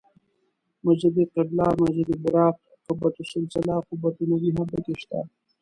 مسجد قبله، مسجد براق، قبة السلسله، قبة النبی هم په کې شته.